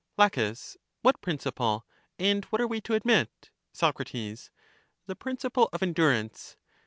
La, What principle? And what are we to admit? Soc, The principle of endurance.